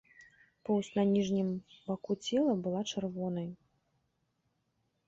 Поўсць на ніжнім баку цела была чырвонай.